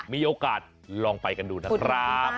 มีโอกาสลองไปกันดูนะครับ